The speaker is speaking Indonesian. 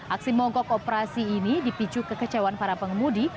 aksi mogok operasi ini dipicu kekecewaan para pengemudi